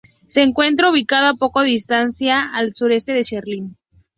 Se encuentra ubicado a poca distancia al suroeste de Schwerin.